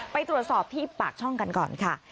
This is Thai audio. ไปตรวจสอบที่ปากช่องกันก่อนค่ะ